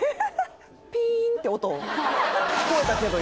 ピーンって音聞こえたけど